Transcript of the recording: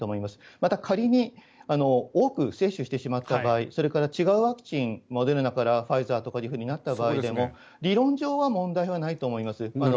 また、仮に多く接種してしまった場合それから違うワクチンモデルナからファイザーとなった場合でも理論上は問題はないと思います。